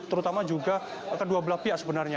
terutama juga kedua belah pihak sebenarnya